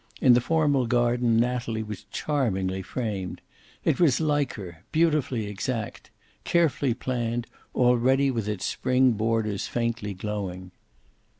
In the formal garden Natalie was charmingly framed. It was like her, beautifully exact, carefully planned, already with its spring borders faintly glowing.